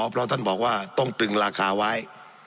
เพราะท่านบอกว่าต้องตึงราคาไว้